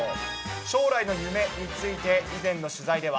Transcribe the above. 将来の夢について、以前の取材では。